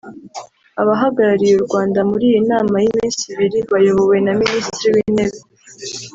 Abahagarariye u Rwanda muri iyi nama y’iminsi ibiri bayobowe na Minisitiri w’Intebe